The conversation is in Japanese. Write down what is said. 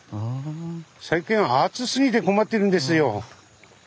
最近は暑すぎて困ってるんですよ。